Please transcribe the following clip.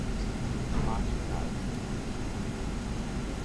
marginais